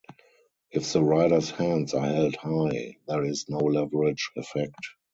If the rider's hands are held high, there is no leverage effect.